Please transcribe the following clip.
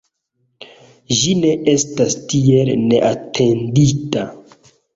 Ĝi ne estas tiel neatendita.